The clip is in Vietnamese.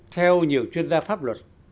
theo nhiều chuyên gia pháp luật